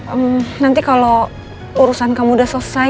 hmm nanti kalau urusan kamu udah selesai